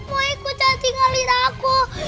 mau ikut tinggalin aku